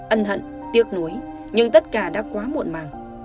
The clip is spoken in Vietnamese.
ân hận tiếc nuối nhưng tất cả đã quá muộn màng